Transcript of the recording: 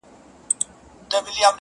څوک یې چې تاید کوي بد کوي